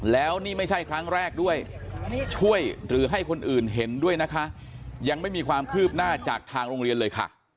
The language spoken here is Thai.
แล้วนี่ไม่ใช่ครั้งแรกด้วยช่วยหรือให้คนอื่นเห็นด้วยนะคะยังไม่มีความคืบหน้าจากทางโรงเรียนเลยค่ะ